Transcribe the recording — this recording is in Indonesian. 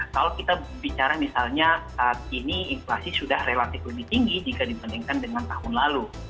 kalau kita bicara misalnya saat ini inflasi sudah relatif lebih tinggi jika dibandingkan dengan tahun lalu